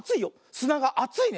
すながあついね。